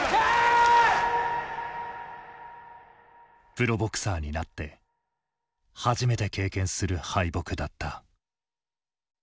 プロボクサーになって初めて経験する敗北だった。